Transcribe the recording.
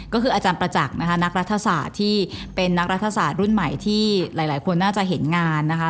ก็คืออาจารย์ประจักษ์นะคะนักรัฐศาสตร์ที่เป็นนักรัฐศาสตร์รุ่นใหม่ที่หลายคนน่าจะเห็นงานนะคะ